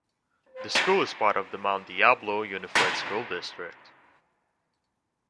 The school is part of the Mount Diablo Unified School District.